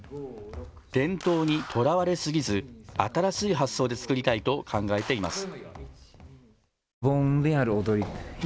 伝統にとらわれすぎず新しい発想で作りたいと考えています。